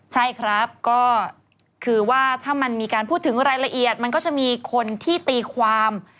ใช่ครับก็คือว่าถ้ามันมีการพูดถึงรายละเอียดมันก็จะมีคนที่ตีความ